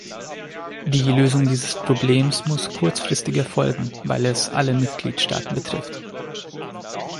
Die Lösung dieses Problems muss kurzfristig erfolgen, weil es alle Mitgliedstaaten betrifft.